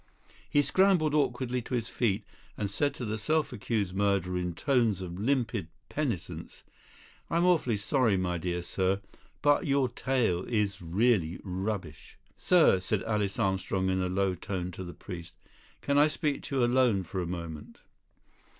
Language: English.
He scrambled awkwardly to his feet, and said to the self accused murderer in tones of limpid penitence: "I'm awfully sorry, my dear sir, but your tale is really rubbish." "Sir," said Alice Armstrong in a low tone to the priest, "can I speak to you alone for a moment?"